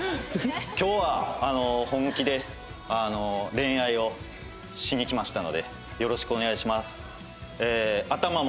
今日は本気で恋愛をしに来ましたのでよろしくお願いします。